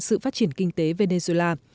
sự phát triển kinh tế venezuela